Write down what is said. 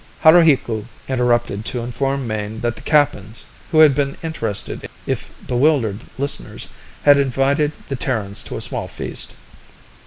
Haruhiku interrupted to inform Mayne that the Kappans, who had been interested if bewildered listeners, had invited the Terrans to a small feast.